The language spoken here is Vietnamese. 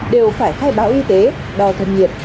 đều phải khai báo y tế đò thân nhiệt